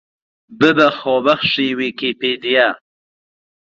ببە خۆبەخشی ویکیپیدیا